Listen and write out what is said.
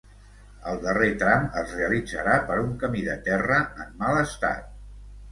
El darrer tram es realitzarà per un camí de terra en mal estat.